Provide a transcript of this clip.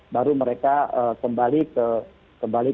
baru mereka kembali